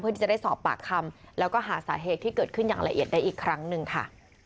ที่จะได้สอบปากคำแล้วก็หาสาเหตุที่เกิดขึ้นอย่างละเอียดได้อีกครั้งหนึ่งค่ะ